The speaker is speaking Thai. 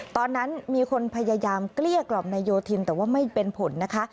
ตอนนั้นมีคนพยายามเกลี้ยกล่อมนายโยธินแต่ว่าไม่เป็นผลนะคะ